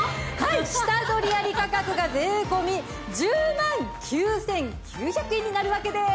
下取りあり価格が税込１０万９９００円になるわけです！